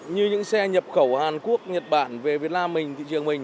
như những xe nhập khẩu hàn quốc nhật bản về việt nam mình thị trường mình